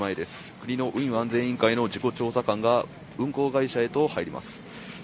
国の運輸安全委員会の事故調査官が運航会社へと入ります。